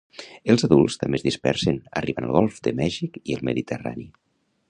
Els adults també es dispersen, arribant al Golf de Mèxic i el Mediterrani.